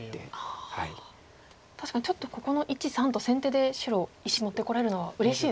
確かにちょっとここの①③と先手で白石持ってこれるのはうれしいですね。